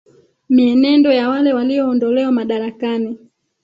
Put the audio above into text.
mienendo ya wale walioondolewa madarakani